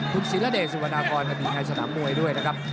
คุณศิลดิสุวนากรในสนามมวยด้วยนะครับ